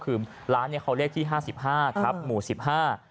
คือร้านเขาเลขที่๕๕ครับหมู่สิบห้า